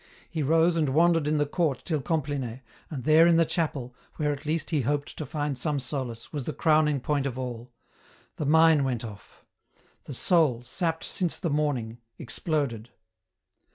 He rose and wandered in the court till CompHne, and there in the chapel, where at least he hoped to find some solace, was the crowning point of all ; the mine went off ; the soul, sapped since the morning, exploded.